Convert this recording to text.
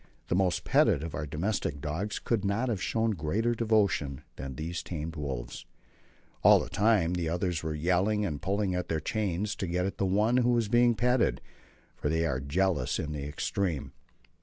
The most petted of our domestic dogs could not have shown greater devotion than these tamed wolves. All the time the others were yelling and pulling at their chains to get at the one who was being petted, for they are jealous in the extreme.